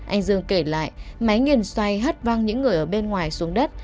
anh dương kể lại máy nghiền xoay hất văng những người ở bên ngoài xuống đất